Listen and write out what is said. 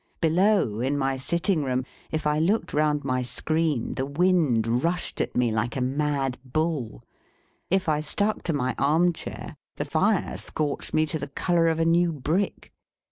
Below, in my sitting room, if I looked round my screen, the wind rushed at me like a mad bull; if I stuck to my arm chair, the fire scorched me to the colour of a new brick.